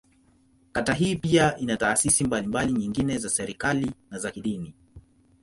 Kata hii pia ina taasisi mbalimbali nyingine za serikali, na za kidini.